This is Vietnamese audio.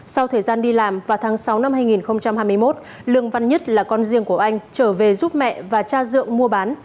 sau thời gian đi làm vào tháng sáu năm hai nghìn hai mươi một lương văn nhất là con riêng của anh trở về giúp mẹ và cha dượng mua bán